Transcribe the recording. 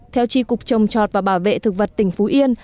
theo tri cục trồng chọt và bảo vệ thực vật tỉnh phú yên